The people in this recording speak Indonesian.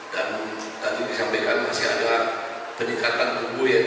dan tadi disampaikan masih ada peningkatan umur